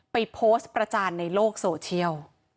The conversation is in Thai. ไปโพสต์ประจานในโลกโซเชียล